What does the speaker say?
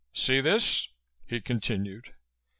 See this!" he continued.